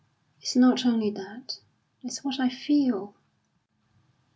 "It's not only that. It's what I feel."